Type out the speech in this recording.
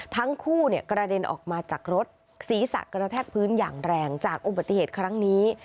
ทั้งคู่กระเด็นออกมาจากรถศีรษะกระแทกพื้นอย่างแรงจากอุบัติเหตุครั้งนี้